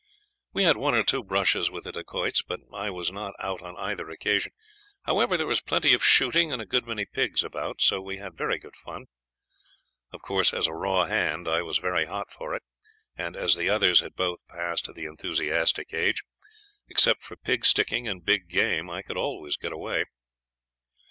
We had one or two brushes with the Dacoits, but I was not out on either occasion. However, there was plenty of shooting, and a good many pigs about, so we had very good fun. Of course, as a raw hand, I was very hot for it, and as the others had both passed the enthusiastic age, except for pig sticking and big game, I could always get away.